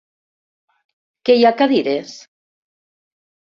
Que hi ha cadires?